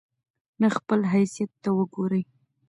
نه خپل حيثت ته وګوري